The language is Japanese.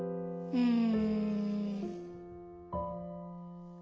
うん。